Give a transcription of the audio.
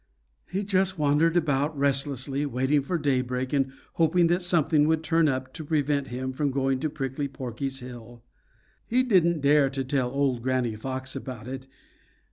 He just wandered about restlessly, waiting for daybreak and hoping that something would turn up to prevent him from going to Prickly Porky's hill. He didn't dare to tell old Granny Fox about it.